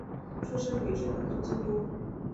出身于日本东京都。